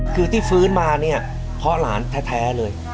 คือที่ฟื้นมาเนี่ยเพราะหลานแท้เลย